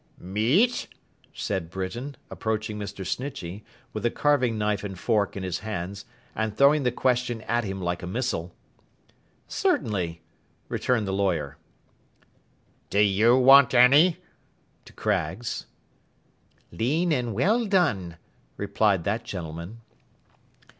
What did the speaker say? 'Meat?' said Britain, approaching Mr. Snitchey, with the carving knife and fork in his hands, and throwing the question at him like a missile. 'Certainly,' returned the lawyer. 'Do you want any?' to Craggs. 'Lean and well done,' replied that gentleman.